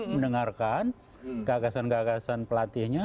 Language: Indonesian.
mendengarkan gagasan gagasan pelatihnya